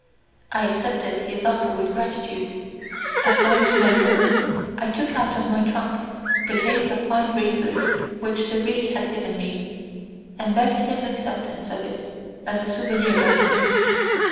I accepted his offer with gratitude, and going to my room I took out of my trunk the case of fine razors which the Greek had given me, and I begged his acceptance of it as a souvenir of me.